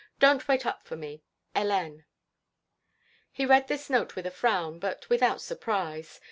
Don't wait up for me. Hélène." He read this note with a frown but without surprise.